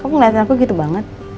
kamu ngeliatin aku gitu banget